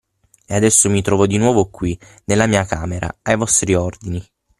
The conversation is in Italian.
E adesso mi trovo di nuovo qui, nella mia camera, ai vostri ordini.